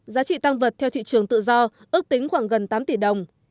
giá trị tăng vật theo thị trường tự do ước tính khoảng gần tám tỷ đồng